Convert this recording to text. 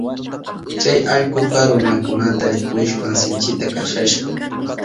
Chay allkuka runakunata rikushpan sinchita kasashka.